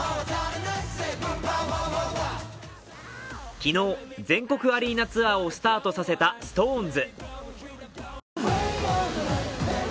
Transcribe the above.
昨日、全国アリーナツアーをスタートさせたＳｉｘＴＯＮＥＳ。